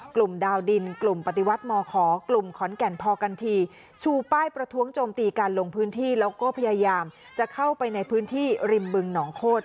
ดาวดินกลุ่มปฏิวัติมขอกลุ่มขอนแก่นพอกันทีชูป้ายประท้วงโจมตีการลงพื้นที่แล้วก็พยายามจะเข้าไปในพื้นที่ริมบึงหนองโคตร